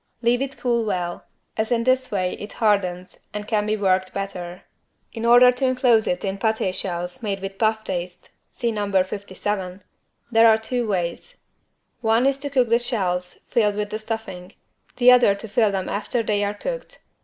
Leave it cool well, as in this way it hardens and can be worked better. In order to enclose it in paté shells made with puff paste (see No. 57) there are two ways. One is to cook the shells filled with the stuffing, the other to fill them after they are cooked.